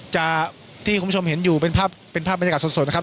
จากที่คุณผู้ชมเห็นอยู่เป็นภาพเป็นภาพบรรยากาศสดนะครับ